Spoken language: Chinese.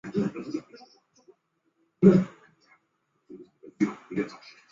巴祖日下努瓦亚勒人口变化图示